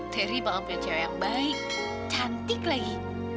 teri bakal punya cewek yang baik cantik lagi